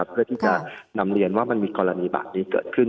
เพื่อที่จะนำเรียนว่ามันมีกรณีแบบนี้เกิดขึ้น